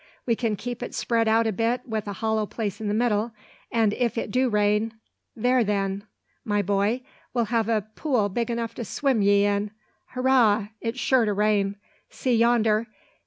We can keep it spread out a bit wi' a hollow place in the middle, an' if it do rain, there then, my boy, we'll ha' a pool big enough to swim ye in. Hurrah! it's sure to rain. See yonder.